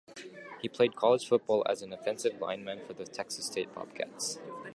He played college football as an offensive lineman for the Texas State Bobcats.